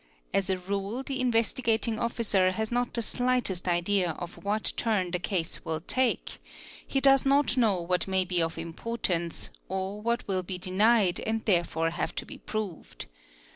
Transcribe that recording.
As a r the Investigating Officer has not the slightest idea of what turn the cas will take, he does not know what may be of importance, or what will bi denied and therefore have to be proved.